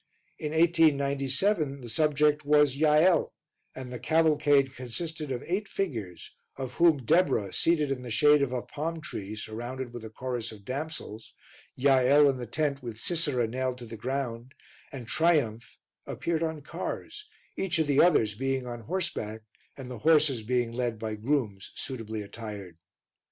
In 1897 the subject was Jael, and the cavalcade consisted of eight figures, of whom Deborah, seated in the shade of a palm tree surrounded with a chorus of damsels, Jael in the tent with Sisera nailed to the ground, and Triumph, appeared on cars, each of the others being on horseback and the horses being led by grooms suitably attired.